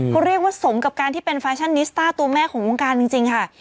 เขาเรียกว่าสมกับการที่เป็นแฟชั่นนิสต้าตัวแม่ของวงการจริงค่ะ